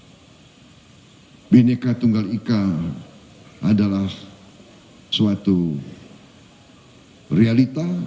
dan bineka tunggal ika adalah suatu realita